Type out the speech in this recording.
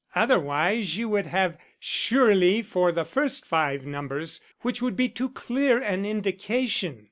Otherwise you would have surely for the first five numbers, which would be too clear an indication.